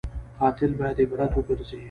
قاتل باید عبرت وګرځي